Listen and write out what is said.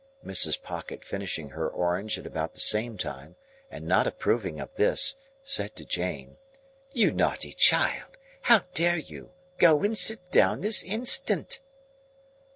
Mrs. Pocket finishing her orange at about the same time, and not approving of this, said to Jane,— "You naughty child, how dare you? Go and sit down this instant!"